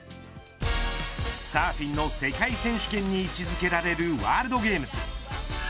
サーフィンの世界選手権に位置付けられるワールドゲームズ。